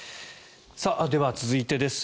では、続いてです。